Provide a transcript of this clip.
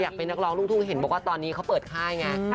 อยากเป็นนักร้องรุ่งทุกข์เห็นบอกว่าตอนนี้เค้าเปิดค่ายไง